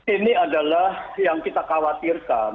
ini adalah yang kita khawatirkan